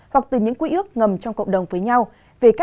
hoặc từ những quý ước